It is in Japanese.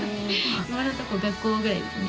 今のところ学校ぐらいですね